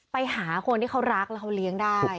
ไปหาคนที่เขารักแล้วเขาเลี้ยงได้